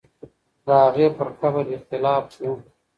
د هغې پر قبر اختلاف وو.